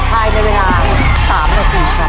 ถ่ายในเวลาสามนาทีครับ